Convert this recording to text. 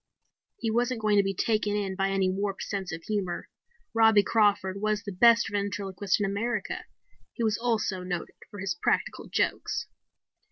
He wasn't going to be taken in by any warped sense of humor. Robbie Crawford was the best ventriloquist in America. He was also noted for his practical jokes.